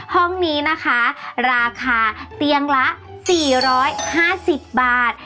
ห้องนี้นะคะราคาเตียงละ๔๕๐บาท